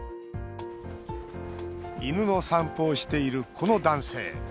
犬の散歩をしている、この男性。